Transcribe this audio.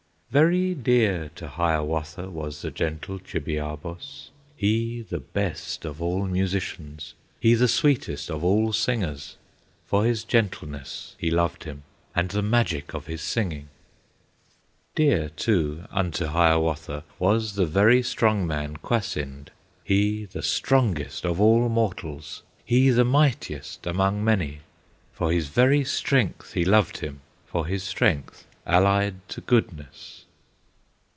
Very dear to Hiawatha Was the gentle Chibiabos, He the best of all musicians, He the sweetest of all singers; For his gentleness he loved him, And the magic of his singing. Dear, too, unto Hiawatha Was the very strong man, Kwasind, He the strongest of all mortals, He the mightiest among many; For his very strength he loved him, For his strength allied to goodness.